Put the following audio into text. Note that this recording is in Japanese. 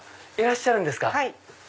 いらっしゃるんですか！